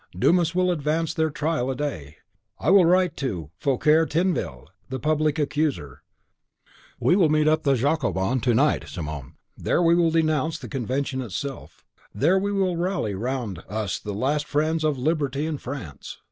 Dumas will advance their trial a day. I will write to Fouquier Tinville, the public accuser. We meet at the Jacobins to night, Simon; there we will denounce the Convention itself; there we will rally round us the last friends of liberty and France."